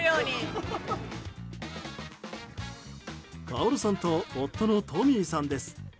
カオルさんと夫のトミーさんです。